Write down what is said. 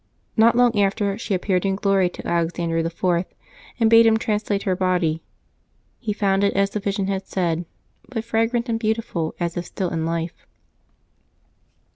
Not long after, she appeared in glory to Alexander IV., and bade him translate her body. He found it as the vision had said, but fragrant and beautiful, as if still in life.